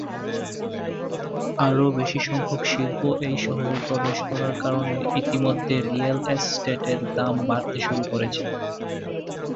আরও বেশি সংখ্যক শিল্প এই শহরে প্রবেশ করার কারণে ইতিমধ্যে রিয়েল এস্টেটের দাম বাড়তে শুরু করেছে।